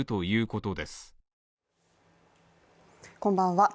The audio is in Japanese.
こんばんは。